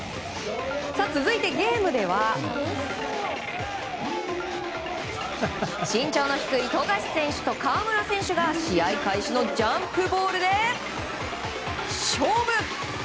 続いてゲームでは身長の低い富樫選手と河村選手が試合開始のジャンプボールで勝負！